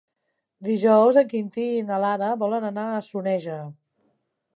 Dijous en Quintí i na Lara volen anar a Soneja.